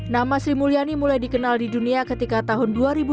nama sri mulyani mulai dikenal di dunia ketika tahun dua ribu dua